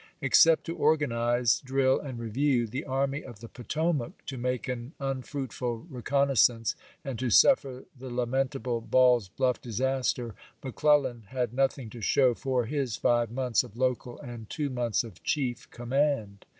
Except to organize, drill, and review the Army of the Potomac, to make an unfruitful reconnaissance, and to suffer the lamentable Ball's Bluff disaster, McClellan had nothing to show for his five months of local, and two months of chief command.